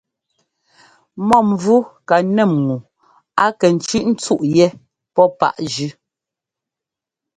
Mɔ́mvú ka nɛ́m ŋu a kɛ tsʉ́ꞌ ńtsúꞌ yɛ́ pɔ́ páꞌ jʉ́.